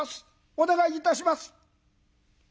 お願いいたします」。